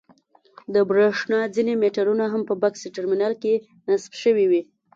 د برېښنا ځینې مېټرونه هم په بکس ټرمینل کې نصب شوي وي.